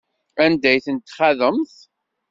Anda ay tent-txaḍemt?